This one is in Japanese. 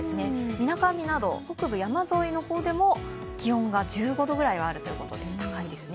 みなかみなど、北部山沿いの方でも気温が１５度くらいあるということで高いですね。